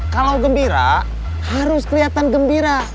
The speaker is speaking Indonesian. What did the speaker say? kalau gembira harus kelihatan gembira